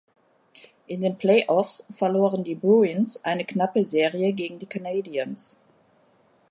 In den Play-offs verloren die Bruins eine knappe Serie gegen die Canadiens.